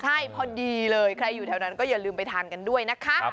ใช่พอดีเลยใครอยู่แถวนั้นก็อย่าลืมไปทานกันด้วยนะคะ